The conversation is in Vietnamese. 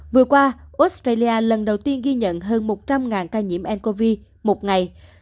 vừa qua australia lần đầu tiên ghi nhận hơn một trăm linh ca nhiễm ncov một ngày